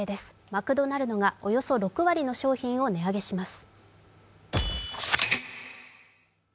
マクドナルドがおよそ６割の商品を値上げします。